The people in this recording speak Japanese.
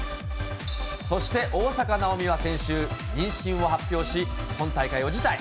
そして、大坂なおみは先週、妊娠を発表し、今大会を辞退。